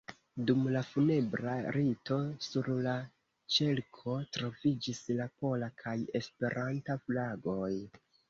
Dum la funebra rito, sur la ĉerko troviĝis la pola kaj Esperanta flagoj.